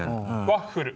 ワッフル。